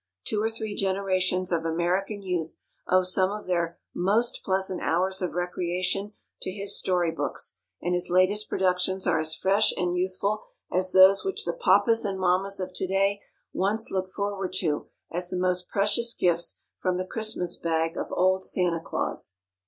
Two or three generations of American youth owe some of their most pleasant hours of recreation to his story books; and his latest productions are as fresh and youthful as those which the papas and mammas of to day once looked forward to as the most precious gifts from the Christmas bag of old Santa Claus.